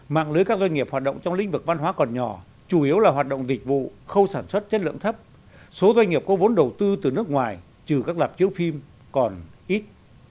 mạng lưới các doanh nghiệp hoạt động trong lĩnh vực văn hóa còn nhỏ chủ yếu là hoạt động dịch vụ khâu sản xuất chất lượng thấp số doanh nghiệp có vốn đầu tư từ nước ngoài còn ít